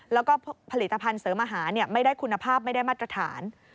แล้วก็ผลิตภัณฑ์เสริมอาหารไม่ได้คุณภาพไม่ได้มาตรฐาน